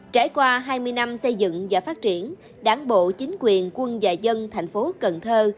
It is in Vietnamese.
trải qua hai mươi năm xây dựng và phát triển đảng bộ chính quyền quân và dân thành phố cần thơ